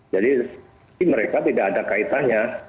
jadi ini mereka tidak ada kaitannya